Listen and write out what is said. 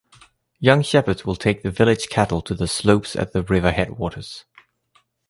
Young shepherds will take the village cattle to the slopes at the river headwaters.